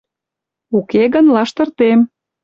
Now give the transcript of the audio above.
Уке гын лаштыртем!